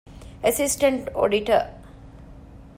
އެސިސްޓެންްޓް އޮޑިޓަރ